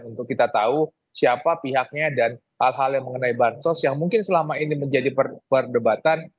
untuk kita tahu siapa pihaknya dan hal hal yang mengenai bansos yang mungkin selama ini menjadi perdebatan